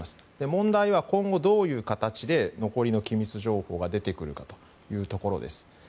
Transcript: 問題は今後、どういう形で残りの機密情報が出てくるかというところです。